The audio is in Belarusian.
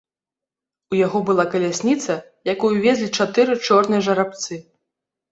У яго была калясніца, якую везлі чатыры чорныя жарабцы.